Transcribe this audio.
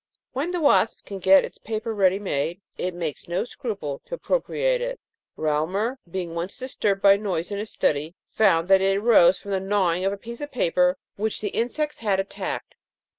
When the wasp can get its paper ready made, it makes no scruple to appro priate it. Reaumur, being once disturbed by a noise in his study, found that it arose from the gnawing of a piece of paper which these insects had ANTS. 55 attacked.